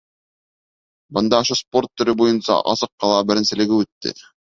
Бында ошо спорт төрө буйынса асыҡ ҡала беренселеге үтте.